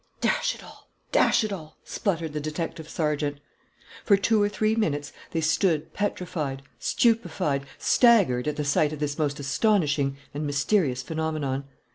"Dash it all! Dash it all!" spluttered the detective sergeant. For two or three minutes they stood petrified, stupefied, staggered at the sight of this most astonishing and mysterious phenomenon.